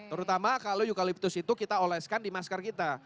terutama kalau eukaliptus itu kita oleskan di masker kita